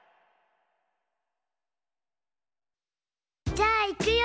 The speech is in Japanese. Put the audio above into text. じゃあいくよ。